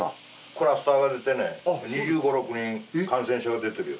クラスターが出てね２５２６人感染者が出てるよ。